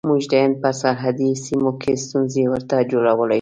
موږ د هند په سرحدي سیمو کې ستونزې ورته جوړولای شو.